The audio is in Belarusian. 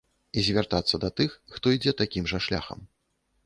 І звяртацца да тых, хто ідзе такім жа шляхам.